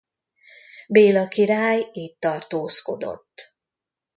Béla király itt tartózkodott.